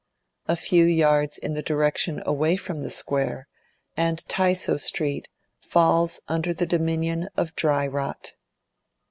A few yards in the direction away from the Square, and Tysoe Street falls under the dominion of dry rot.